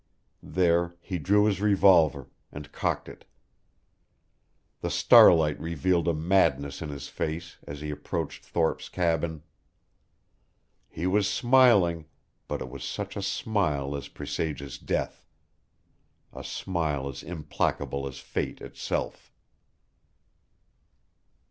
There he drew his revolver, and cocked it. The starlight revealed a madness in his face as he approached Thorpe's cabin. He was smiling, but it was such a smile as presages death; a smile as implacable as fate itself.